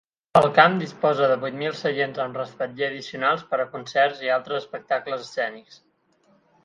El camp disposa de vuit mil seients amb respatller addicionals per a concerts i altres espectacles escènics.